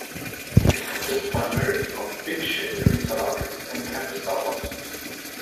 It consists primarily of 'big shed' retail outlets and campus style offices.